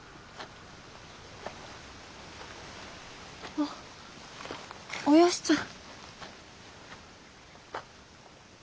あおよしちゃん。